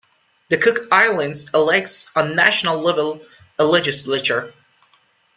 The Cook Islands elects on national level a legislature.